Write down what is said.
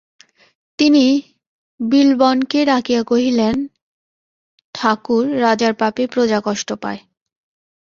তিনি বিল্বনকে ডাকিয়া কহিলেন, ঠাকুর, রাজার পাপেই প্রজা কষ্ট পায়।